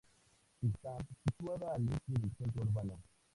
Está situada al este del centro urbano.